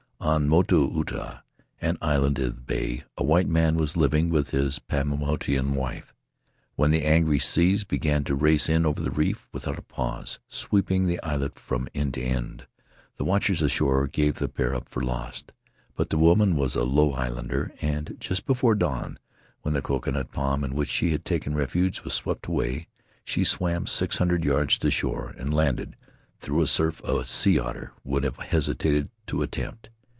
On Motu Uta, an islet in the bay, a white man was living with his Pau motuan wife. When the angry seas began to race in over the reef without a pause, sweeping the islet from end to end, the watchers ashore gave the pair up for lost. But the woman was a Low Islander, and just before dawn, when the coconut palm in which she had taken refuge was swept away, she swam six hundred yards to shore and landed through a surf a sea otter would have hesitated to attempt.